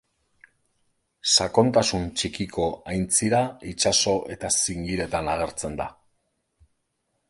Sakontasun txikiko aintzira, itsaso eta zingiretan agertzen da.